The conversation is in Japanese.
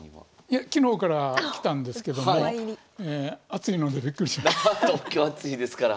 いや昨日から来たんですけども暑いのでびっくりしました。